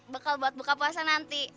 buat buka puasa nanti